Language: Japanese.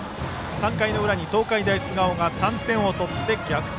３回裏に東海大菅生が３点取って逆転。